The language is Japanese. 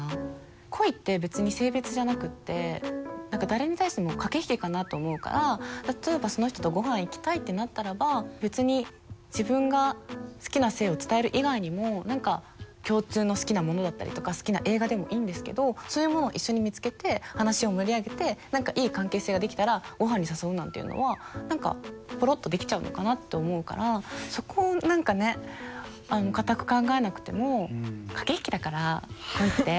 恋って別に性別じゃなくって誰に対しても駆け引きかなと思うから例えばその人とごはん行きたいってなったらば別に自分が好きな性を伝える以外にも何か共通の好きなものだったりとか好きな映画でもいいんですけどそういうものを一緒に見つけて話を盛り上げて何かいい関係性ができたらごはんに誘うなんていうのはぽろっとできちゃうのかなって思うからそこを何かね堅く考えなくても駆け引きだから恋ってそう。